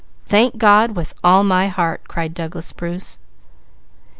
"Thank God with all my heart!" cried Douglas Bruce.